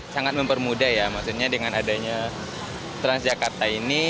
sangat mempermudah ya maksudnya dengan adanya transjakarta ini